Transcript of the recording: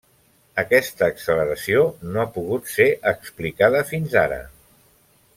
Aquesta acceleració no ha pogut ser explicada fins ara.